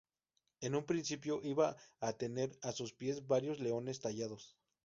En un principio iba a tener a sus pies varios leones tallados.